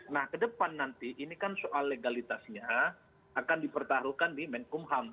nah ke depan nanti ini kan soal legalitasnya akan dipertaruhkan di menkumham